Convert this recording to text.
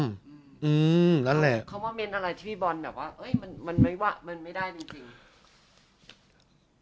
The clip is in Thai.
เขาว่าเม้นอะไรที่พี่บอลแบบว่ามันไม่ได้จริง